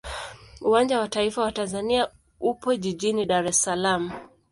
Uwanja wa taifa wa Tanzania upo jijini Dar es Salaam.